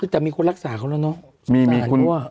แต่มีคนรักษาเขาแล้วเนอะ